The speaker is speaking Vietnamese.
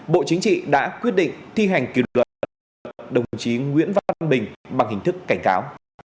bộ chính trị đã quyết định thi hành kỷ luật đồng chí nguyễn văn bình bằng hình thức cảnh cáo